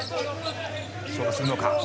勝負するのか？